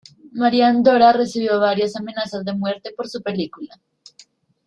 Marian Dora recibió varias amenazas de muerte por su película.